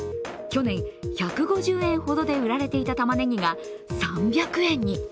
去年、１５０円ほどで売られていたたまねぎが３００円に。